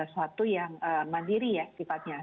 suatu yang mandiri ya